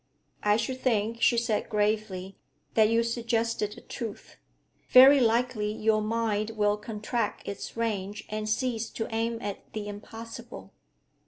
'I should think,' she said gravely, 'that you suggested a truth. Very likely your mind will contract its range and cease to aim at the impossible.'